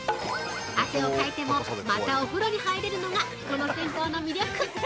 汗をかいても、またお風呂に入れるのが、この銭湯の魅力！